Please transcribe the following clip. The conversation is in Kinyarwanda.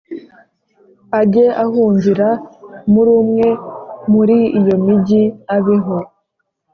ajye ahungira muri umwe muri iyo migi abeho.